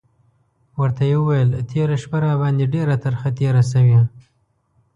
ورته یې وویل: تېره شپه راباندې ډېره ترخه تېره شوې.